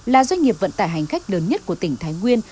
là doanh nghiệp vận tải hành khách lớn nhất của tỉnh thái nguyên